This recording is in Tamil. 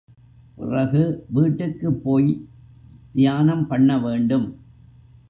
பிறகு வீட்டுக்குப் போய்த் தியானம் பண்ண வேண்டும்.